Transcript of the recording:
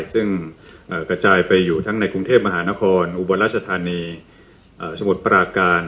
ซึ่งกระจายไปอยู่ทั้งในกรุงเทพมหานครอุบลราชธานีสมุทรปราการ